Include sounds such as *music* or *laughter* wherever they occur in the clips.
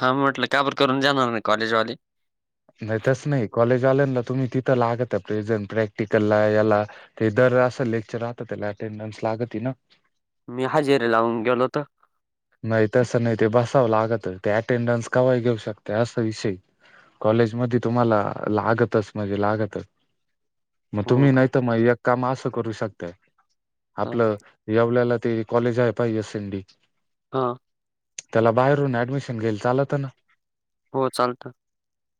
हा म्हटलं काबर करून जाणार नाही कॉलेजवाले नाही तस नाही कॉलेज आले ना तुम्ही तिथं लागत प्रेझेंट प्रॅक्टिकलला याला ते दर असं लेक्चर राहत त्याला अटेंडन्स लागती ना मी हजेरी लावून गेलो होतो नाही तसं नाही ते बसावं लागत ते अटेंडन्स कवाही घेऊ शकते असा विषय आहे कॉलेज मधी तुम्हाला लागतच म्हणजे लागतच मग हो तुम्ही का नाही तर मग एक काम असं करू शकता हा आपलं येवल्याला त कॉलेज आहे पाह सनडी हा त्याला बाहेरून ऍडमिशन घेईल चालत ना हो चालत.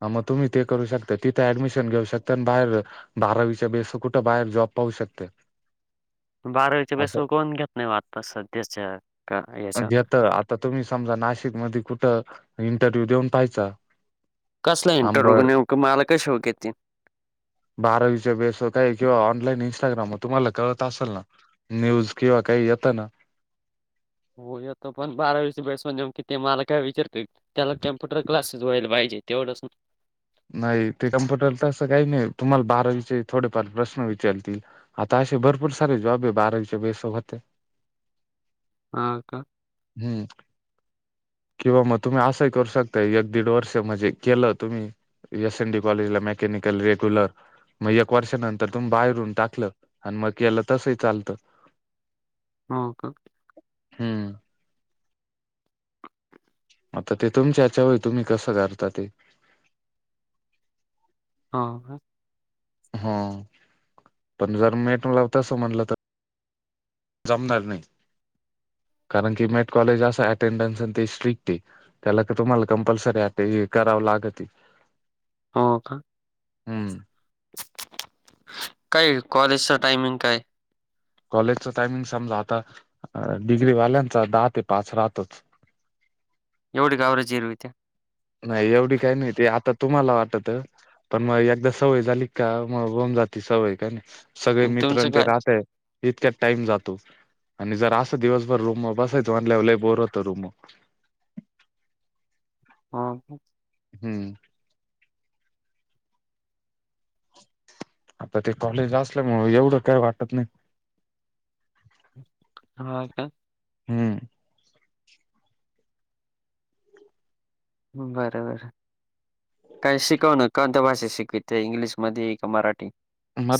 ह मग तुम्ही ते करू शकता. तिथं ऍडमिशन घेऊ शकता. आणि बाहेर बारावीच्या बेस कुठं बाहेर जॉब पाहू शकत्या. बारावीच्या बेसवर कोण घेत नाही हो आता सध्याच्या का याच्या घेत. आता तुम्ही समजा नाशिक मध्ये कुठं इंटरव्ह्यू देऊन पाहायचा. कसला आंबळ इंटरव्ह्यू नेमक मला कशावर घेतील. बारावीच्या बेसवर काही किंवा ऑनलाईन इन्स्टाग्रामवर तुम्हाला कळत असेल ना. न्यूज किंवा काही येत ना. हो येतो पण बारावीचे बेस मग ते मला काय विचारतील. त्याला कॅम्प्युटर क्लासेस व्हायला पाहिजे. तेवढंच नाही नाही ते कम्प्युटर तसं काही नाही. तुम्हाला बारावीचे थोडेफार प्रश्न विचारतील. आता असे भरपूर सारे जॉब आहे. बारावीच्या बेसवर होत्या. हा का हम्म किंवा मग तुम्ही असंही करू शकता एक दीड वर्ष म्हणजे केलं तुम्ही एस एन डी कॉलेज ला मेकॅनिकल रेग्युलर मग एक वर्षानंतर तुम्ही बाहेरून टाकलं. आणि मग केलं. तसही चालतं. *inaudible* हो का हम्म आता ते तुमच्या याच्यावर आहे. तुम्ही कसं करता ते. हो का हो पण जर मेट लाव तस म्हणलं तर जमणार नाही. कारण की मेट कॉलेज अस अटेंडन्स ते स्ट्रिक्ट आहे. त्याला तर तुम्हाला कंपल्सरी आता हे करावं लागते. हो का हम्म काय कॉलेजचा टाइमिंग काय? कॉलेजचा टायमिंग समजा आता डिग्री वाल्यांचा दहा ते पाच राहतोच. एवढी का बरं जिरवित्या. नाही एवढी काही नाही. ते आता तुम्हाला वाटत. पण मग एकदा सवय झाली का मग होउन जाती सवय का नाही. सगळे तुमचं मित्रन ते काय राहतय. इतक्यात टाइम जातो. आणि जर असं दिवसभर रूमवर बसायच म्हणाल्यावर लयी बोर होतं रूमवर. हा का हम्म आता ते कॉलेज असल्यामुळे एवढ काय वाटत नाही. ह का हम्म बर बर काही शिकवन कोणत्या भाषेत शिकवतात. इंग्लिशमध्ये का मराठी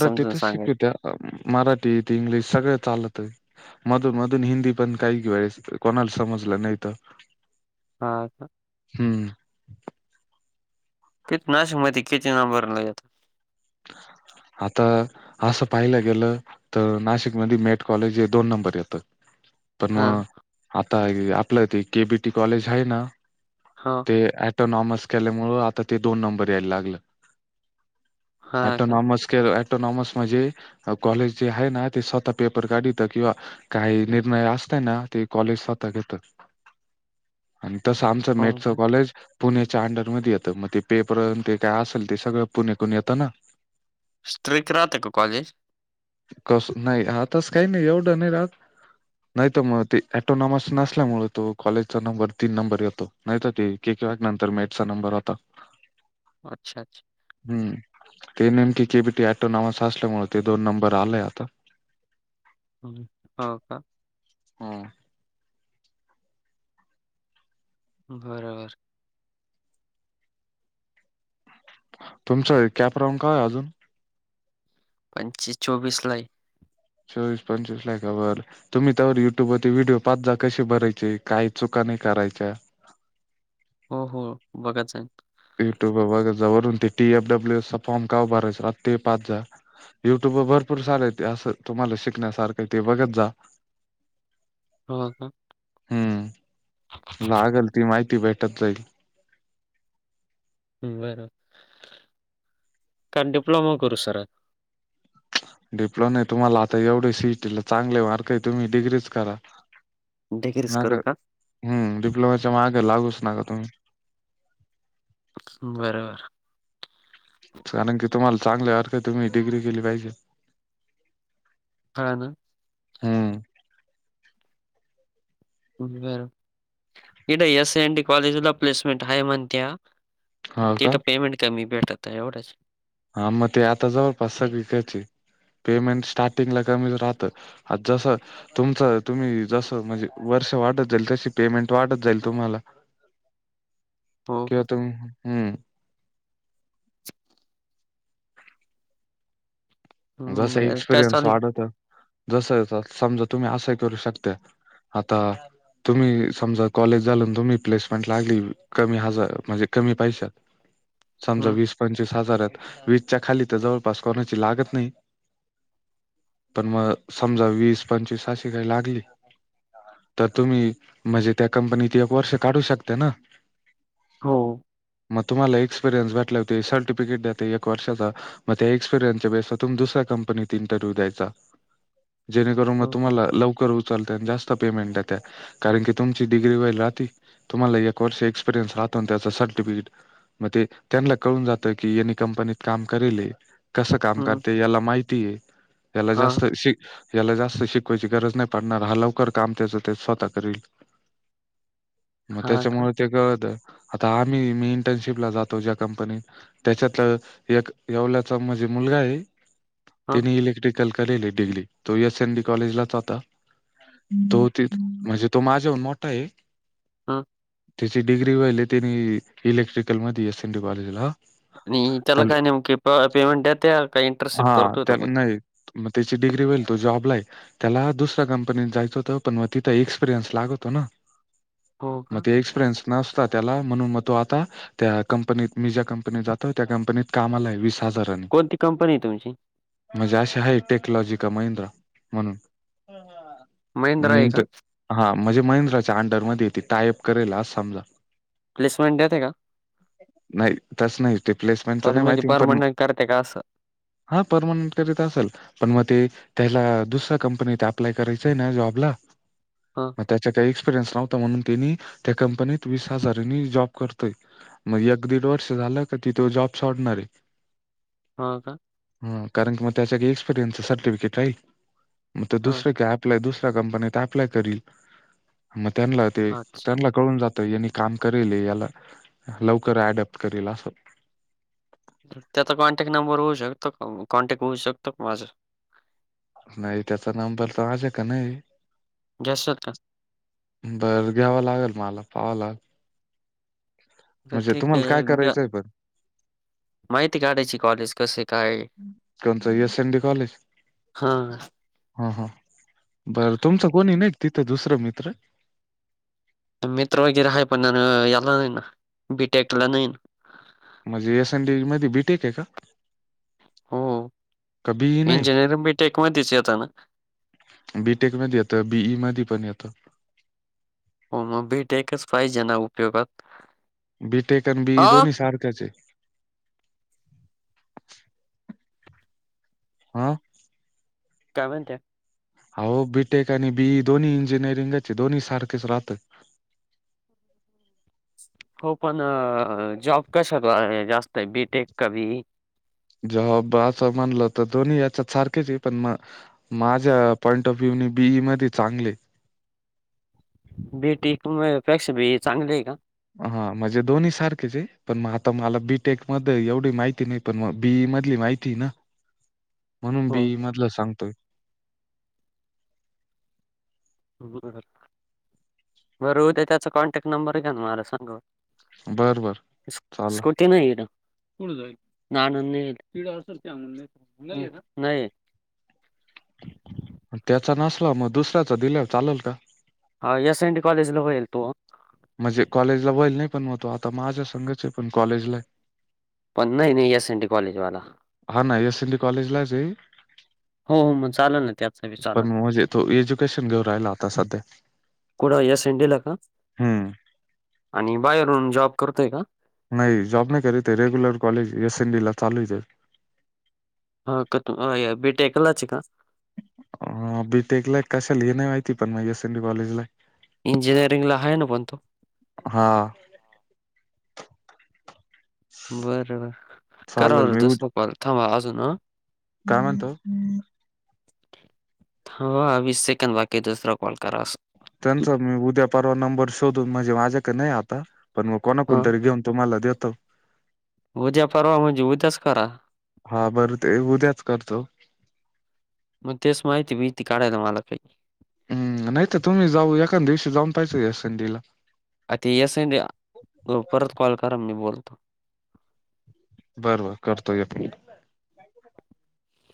समजून सांगाय शिकवित्या. मराठी ते इंग्लिश सगळ चालत. मधून मधून हिंदी पण काही वेळेस कोणाला समजलं नाही तर. हा का हम्म किती नाशिक मध्ये किती नंबरला येतात. आता असं पाहिला गेल तर नाशिकमध्ये मेट कॉलेज हे दोन नंबर येत. पण हा मग आता आपल तेे केबीटी कॉलेज आहे ना हा ते ऑटोनॉमस केल्यामुळं आता ते दोन नंबरला यायला लागलं. हा का एटोनॉमस के एऍटोनॉमस म्हणजे कॉलेज जे आहे ना ते स्वतः पेपर काढित किंवा काही निर्णय असतय ना ते कॉलेज स्वतः घेत. आणि तसं आमचं हो मेटचं का कॉलेज पुण्याच्या अंडरमध्ये येतं मग ते पेपर ते काय असेल ते सगळं पुण्यातून येतं ना स्ट्रिक्ट राहतं का कॉलेज? कस नाही आताच काही नाही एवढं नाही राहात. नाही तर म ते ॲटोनॉमस नसल्यामुळे तो कॉलेजचा नंबर तीन नंबर येतो. नाही तर ते केक वॅक नंतर मेटचा नंबर होता. अच्छा अच्छा. हम्म. ते नेमकी केबीटी ऍटोनॉमस असल्यामुळ ते दोन नंबर आलेय आता. हम् हो का. हा. बरोबर. तुमचं कॅप राऊन काय अजून? पंचस चोवीस लाई. चोवीस पंचवीस लाय का बर. तुम्ही त्यावर युट्युब वती व्हिडिओ पाच जा कशी भरायचे काही चुका नाही करायच्या हो हो बघत जाईन. युट्यूब ला बघा जा वरून ते टीएफ डब्ल्यू एस चा फॉर्म का उभरायच रात ते हो पाच जा. युट्यूब वर भरपूर चालय असं तुम्हाला शिकण्यासारखं ते बघत जा. *inaudible* हो ह. हम्म लागल ती माहिती भेटत जाईल. ह् बरोब का डीप्लोमा करू सरळ. डिप्लो नाही तुम्हाला आता एवढे सिटीला चांगले मार्क आहे तुम्ही डिग्रीच करा. डिग्रीच करू का? हम् डिप्लोमाच्या मा्ग लागूच नका तुम्ही. बरबर. चाण की तुम्हाला चांगले अरख तुम्ही डिग्री केली पाहिजे. ह ना. हम्म बर इड एस एन डी कॉलेजला प्लेसमेंट हाय म्हणत्या. हो तेत का पेमेंट कमी भेटता एवढंच. हा मग ते आता जवळपास सगळीकयचे पेमेंट स्टार्टिंग ला कमीच राहतं. अज स. तुमचं तुम्ही जस म्हणजे वर्ष वाढत जाईल तशी पेमेंट वाटत जाईल तुम्हाला. हो का किवतुम हम्म. हं. जस बरं काय एक्सपिरियन्स चालू वाढत जस समजा तुम्ही असं करू शकत्या. आता तुम्ही समजा कॉलेज झालून तुम्ही प्लेसमेंट लागली कमी हजार म्हणजे कमी पैशात समजा हं, वीस पंचवीस हजारात वीसच्या खाली तर जवळपास कोणाची लागत नाही - पण मग समजा वीस पंचवीस अशी काही लागली. तर तुम्ही म्हणजे त्या कंपनीत एक वर्ष काढू शकता ना. हो. मग तुम्हाला एक्सपिरियन्स भटले होते सर्टिफिकेट देत एक वर्षाचा मग त्या एक्सपिरियन्सच्या बेस वर तुम्ही दुसऱ्या कंपनीत इंटरव्यू द्यायचा जेणेकरून मग हं, तुम्हाला लवकर उचलताना जास्त - पेमेंट आहे त्या कारण की तुमची डग्री व राहती तुम्हाला एक वर्ष एक्सपिरियनस राहत अन् त्याचा सर्टिफिकेट मग ते त्यांना कळून जात की यांनी कंपनीत काम करेले कस काम हं. करते याला माहिती आहे याला हां, जास्त शे याला जास्त शिकवायची गरज नाही पडणार हा लवकर काम त्याच ते स्वतः करील. मग हां का? त्याच्यामुळे ते कळत आता आम्ही मी इंटर्नशिप ला जातो ज्या कंपनीत त्याच्यात एक येवल्याचा माझे मुलगा आहे हां, तिने इलेक्ट्रिकल कलेली डिग्री तो एस एन डी कॉलेजलाच होता. तो ते म्हणजे तो माझ्याहून मोठा आहे. हा ते डिग्री वहिले ते इलेक्ट्रिकल दि एस स एनटी काँलेजला नाही त्याला काय नेमके पेमेंट यते? हा नाही मग त्याची डिग्री वईल तो जॉबला ये. त्याला दुसऱ्या कंपनीत जायचं होतं पण मग तिंथ एक्सपिरियन्स लागतो ना. हो मग का? ते एक्सपिरियन्स नसता त्याला म्हणून मग तो आता त्या कंपनीत मी ज्या कंपनीत जातो त्या कंपनीत काम आला आहे वीस हजाराने. कोणती कंपनी आहे तुमची? म्हणजे अे आहे टेक्नॉलॉजी का महिंद्रा म्हणून मी. आहे का? हा म्हणजे महिंद्राच्या अंडरमध्ये ये टायप करायला अस समजा. प्लेसमेंट देते का? नाही तस नाही. ते प्लेसमेनट सॉरी म्हणजे परमनंट करते आसं. हा परमनंट करीत असेल. पण मग ते त्याला दुसऱ्या कंपनीत अप्लाय करायचंय ना जॉबला. हां, मग त्याचा काही एक्सपिरियन्स नव्हता म्हणून त्यांनी त्या कंपनीत वीस हजारांनी जॉब करतोय. मग एक दीड वर्ष झालं का तो जॉब सोडणार आहे. हो का? कारण मग त्याच्या एक्सपिरियन्सच सर्टिफिकेट आहे मग हां, दुसरं मग दुसऱ्या कंपनीत अप्लाय करेल मग त्यांना ते अच्छा. त्यांना कळून जात यांनी काम करेल याला लवकर अडप्ट करेल असं त्याचा कॉन्टॅक्ट नंबर होऊ शकतो कॉन्टॅक्ट होऊ शकतो का माझं? नाही त्याचा नंबर तर माझ्याक नाही. गॅस होता बरं घ्यावं लागेल मला पाहावं ला. तर म्हणजे ठीक तुम्हाला काय आहे घ्या. करायचंय पण? माहिती काढायची कॉलेज कसे? कोणतं एस एन डी कॉलेज? हां, हा हा बरं तुमचं कोणी नाही तिथं दुसरं मित्र? मित्र वगैर हाय पण न एला न ना बी टेक ला नयी. म्हणजे एसएन डी मध्ये बीटेक आहे का? हो. का बीई नाही इंजिनिअरिंग बीटेक मध्येच येत ना? बीटेक मध्ये येतं बीई मध्ये पण येतं. हो मग बीटेकच पाहीजे ना उपयोगात. बी टेक अन बीई अ दोनही सारख्याचे. हम काय म्हणत्या? आलो बीटेक आणि बीई दोन्ही इंजिनिअरिंगचे दोन्ही सारखेच राहत हो पण जॉब कशात आहे जास्त आहे बीटेक का बीड? जाँब असं म्हणलं तर दोन्ही याच्यात सारखेच पण मग माझ्या पॉईंट ऑफ व्ह्यू बीई मध्ये चांगले बी टेक पेक्षा बीई चांगलंये का? हा म्हणजे दोन्ही सारखेच आहे पण मग आता मला बीटेक मध्ये एवढी माहिती नाही. पण मग बीई मधली माहिती ना म्हणून हो बीई मधलं सांगतोय. बर बरं उद्या त्याचा कॉन्टॅक्ट नंबर घ्या ना मला सांगा हो बरं, बरं. स्कु चालेल. स्कुल नाही येल कुठ जाईल नाल अस नय ऐना नय ऐ त्याचा नसला मग दुसऱ्याचा दिलावर चालेल का हा एस एन टी कॉलेजला होईल तो म्हणजे कॉलेजला बईल नाही पण मग तो आता माझ्या संघाच आहे पण कॉलेजला पण् नाही नाही एस एन टी कॉलेजवाला हा ना एस एंटी कॉलेज लाच आहे हो हो मग चालेल ना त्याचा बी चालेल. पण म्हजे तू एज्युकेशन घेऊ राहिला आता सध्या कुड या सेडिला का हम्म बाहेरणून जॉब करतोय का नय जॉब नाही कररी ते regular college S N D ला चालूच हा कोतो ओये बेटी टेकयलाच च ऐका ह बीटेक ला हाय का नाही माहिती पण म एस एडी कॉलेज ला इंजिनिअरिंग ला हाय ना पण तो हा बर बर कराव चालेल. र मी उद दसत कॉल थांब अजून ह काय म्हणतो हो वीस सेकंंद बाकी दुसरा कॉल करास त्यांचा मी उद्या परवा नंबर शोधून म्हणजे माझ्या का नाही आता पण मग हा कोणाकणतरी घेऊन तुम्हाला देतो उध्या पर्वा मजे उत्याच करा हा बरं ते उद्याच करतो मग तेच माहिती भीती काढायला मला लागली हम् नाय तर तुम्ही जाऊ एखा दिवशी जाऊन पाहिजे ऐसेनडिला आ ते येस परत कॉल करा मी बोलतो बर बर करतोय एक मिनिट